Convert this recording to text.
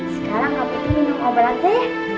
sekarang kak putih minum obat nanti ya